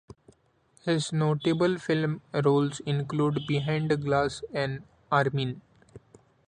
His notable film roles include "Behind the Glass" and "Armin".